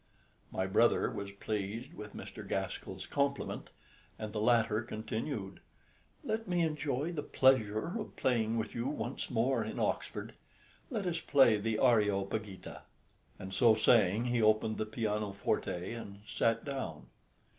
My brother was pleased with Mr. Gaskell's compliment, and the latter continued, "Let me enjoy the pleasure of playing with you once more in Oxford; let us play the 'Areopagita.'" And so saying he opened the pianoforte and sat down.